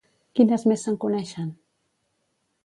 Quines més se'n coneixen?